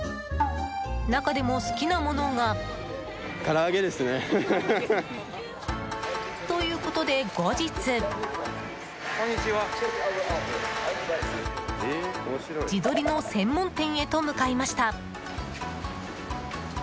中でも好きなものが。ということで、後日地鶏の専門店へと向かいました。